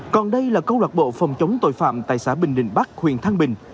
còn đây là câu lạc bộ phòng chống tội phạm tại xã bình đình bắc huyện thang bình